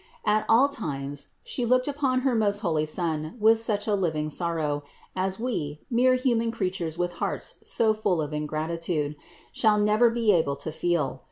At all times She looked upon her most holy Son with such a living sorrow, as we, mere human creatures with hearts so full of ingratitude, shall never be able to feel.